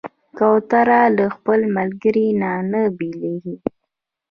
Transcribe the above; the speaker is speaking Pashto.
کوتره له خپل ملګري نه نه بېلېږي.